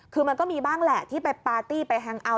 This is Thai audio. คือมันก็มีบ้างแหละที่ไปปาร์ตี้ไปแฮงเอาท